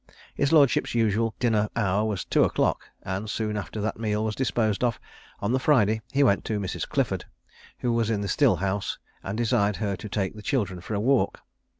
His lordship's usual dinner hour was two o'clock; and soon after that meal was disposed of, on the Friday, he went to Mrs. Clifford, who was in the still house, and desired her to take the children for a walk.